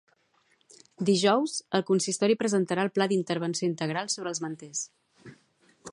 Dijous, el consistori presentarà el pla d'intervenció integral sobre els manters.